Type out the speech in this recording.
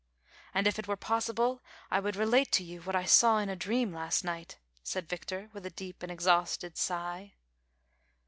And, if it were possible, I would relate to you what I saw in a dream last night," said Victor Juno, with a deep and exhausted sigh.